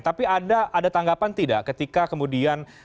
tapi ada tanggapan tidak ketika kemudian